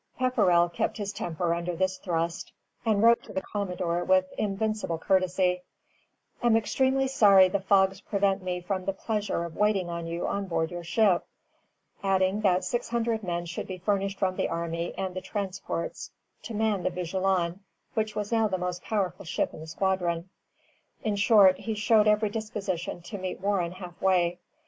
_] Pepperrell kept his temper under this thrust, and wrote to the commodore with invincible courtesy: "Am extremely sorry the fogs prevent me from the pleasure of waiting on you on board your ship," adding that six hundred men should be furnished from the army and the transports to man the "Vigilant," which was now the most powerful ship in the squadron. In short, he showed every disposition to meet Warren half way.